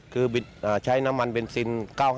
คือใช้น้ำมันเบนซิน๙๕